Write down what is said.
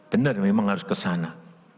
benar memang harus ke sana